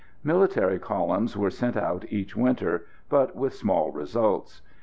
Military columns were sent out each winter, but with small results.